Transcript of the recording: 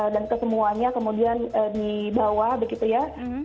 dan kesemuanya kemudian dibawa begitu ya